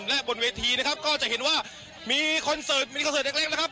และบนเวทีนะครับก็จะเห็นว่ามีคอนเสิร์ตมีคอนเสิร์ตเล็กนะครับ